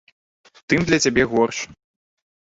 Тым для цябе горш.